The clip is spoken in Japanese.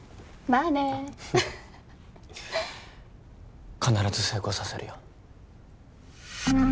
まあね必ず成功させるよ